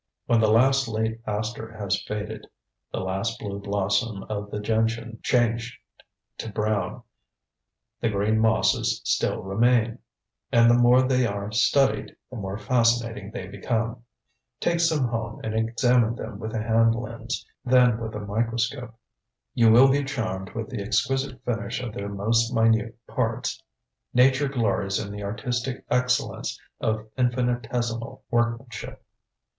When the last late aster has faded, the last blue blossom of the gentian changed to brown, the green mosses still remain. And the more they are studied, the more fascinating they become. Take some home and examine them with a hand lens, then with a microscope. You will be charmed with the exquisite finish of their most minute parts. Nature glories in the artistic excellence of infinitesimal workmanship.